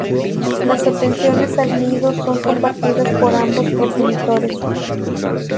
Las atenciones al nido son compartidas por ambos progenitores.